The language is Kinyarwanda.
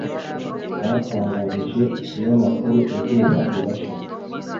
batangarije ikinyamkuru Izuba Rirashe